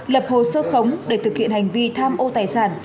lập hồ sơ khống để thực hiện hành vi tham ô tài sản